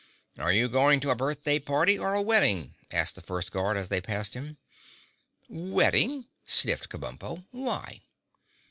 "Are you going to a birthday party or a wedding?" asked the first guard, as they passed him. "Wedding," sniffed Kabumpo. "Why?"